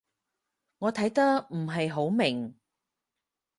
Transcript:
我睇得唔係好明